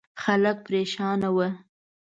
خلک پرېشان وو.